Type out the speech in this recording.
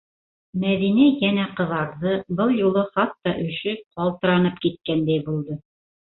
Мәҙинә йәнә ҡыҙарҙы, был юлы хатта өшөп, ҡалтыранып киткәндәй булды.